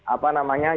apa namanya yang di